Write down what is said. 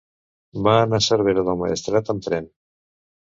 Va anar a Cervera del Maestrat amb tren.